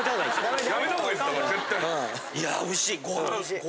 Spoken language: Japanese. いやおいしい。